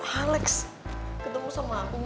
alex ketemu sama aku bi